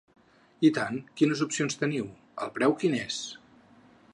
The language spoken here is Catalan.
I tant, quines opcions teniu, el preu quin és?